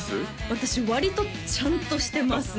私割とちゃんとしてますね